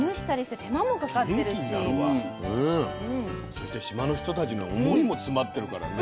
そして島の人たちの思いも詰まってるからね。